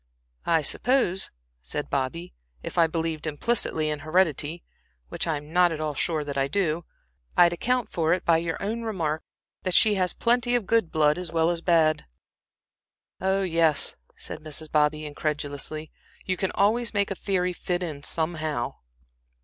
"I suppose," said Bobby, "if I believed implicitly in heredity (which I am not at all sure that I do) I'd account for it by your own remark that she has plenty of good blood as well as bad." "Oh, yes," said Mrs. Bobby, incredulously, "you can always make a theory fit in somehow."